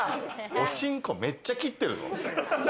おしんこ、めっちゃ切ってるぞ。